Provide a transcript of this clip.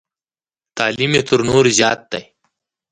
تعلیم یې تر نورو زیات دی.